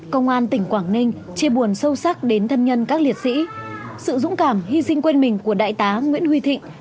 công an tỉnh quảng ninh chia buồn sâu sắc đến thân nhân các liệt sĩ sự dũng cảm hy sinh quên mình của đại tá nguyễn huy thịnh